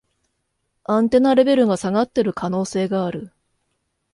アンテナレベルが下がってる可能性がある